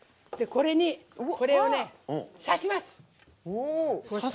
これに、これを刺します！